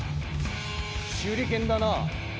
手裏剣だな。